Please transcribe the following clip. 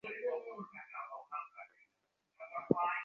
মহারানীর সীলমোহর থাকে যে-বাক্সয় সেইটে চুরি করতে, আচ্ছা বুকের পাটা!